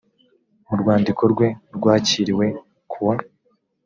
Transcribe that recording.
mu rwandiko rwe rwakiriwe kuwa